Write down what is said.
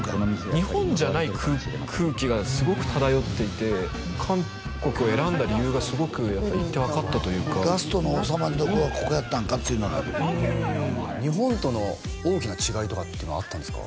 日本じゃない空気がすごく漂っていて韓国を選んだ理由がすごく行って分かったというかラストのおさまりどこはここやったんかっていうのはある日本との大きな違いとかっていうのはあったんですか？